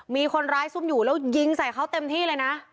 มีคนร้ายซุ่มอยู่แล้วยิงใส่เขาเต็มที่เลยนะ